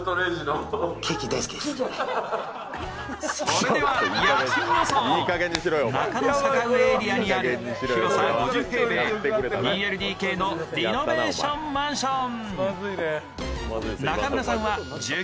それでは家賃予想、中野坂上エリアにある広さ５０平米２ＬＤＫのリノベーションマンション。